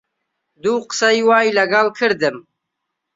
دوو قسەی وای لەگەڵ کردم